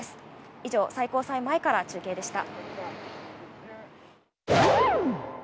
以上、最高裁前から中継でした。